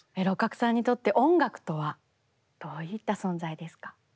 六角さんにとって音楽とはどういった存在ですか？